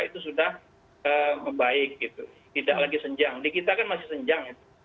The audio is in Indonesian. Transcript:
itu sudah membaik gitu tidak lagi senjang di kita kan masih senjang